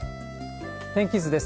天気図です。